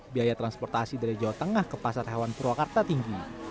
biaya transportasi dari jawa tengah ke pasar hewan purwakarta tinggi